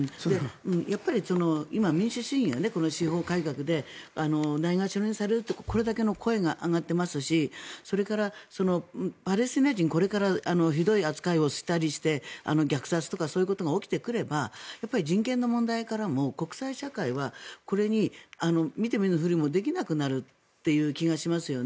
やっぱり民主主義が司法改革でないがしろにされるとこれだけの声が上がっていますしそれから、パレスチナ人これからひどい扱いをしたりして虐殺とかそういうことが起きてくれば人権の問題からも国際社会はこれに見て見ぬふりもできなくなる気がしますよね。